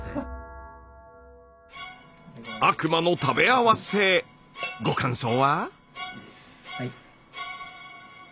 悪魔の食べ合わせご感想は？